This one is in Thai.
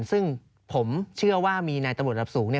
ซึ่งผมเชื่อว่ามีในตะบุดรับสูงเนี่ย